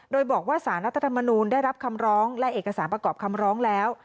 โดยบอกว่าสารรัฐธรรมนูลได้รับคำร้องและเอกสารประกอบคำร้องแล้ว